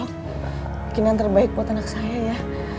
mungkin yang terbaik buat anak saya ya